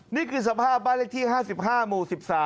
นี่คือสภาพบ้านเลขที่๕๕หมู่๑๓